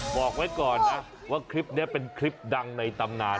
บอกไว้ก่อนนะว่าคลิปนี้เป็นคลิปดังในตำนาน